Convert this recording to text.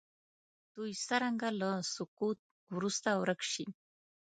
دوی څرنګه له سقوط وروسته ورک شي.